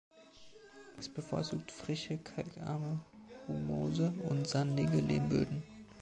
Es bevorzugt frische, kalkarme, humose und sandige Lehmböden.